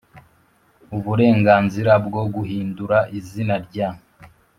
uburenganzira bwo guhindura izina rya